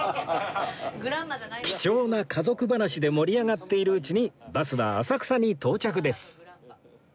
貴重な家族話で盛り上がっているうちにバスは浅草に到着です